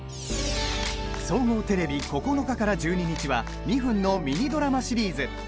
総合テレビ９日から１２日は２分のミニドラマシリーズ。